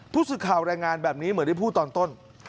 ผู้สื่อข่าวรายงานแบบนี้เหมือนได้พูดตอนต้น